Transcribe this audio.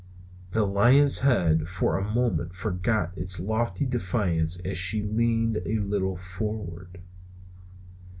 The lion's head for a moment forgot its lofty defiance as she leaned a little forward.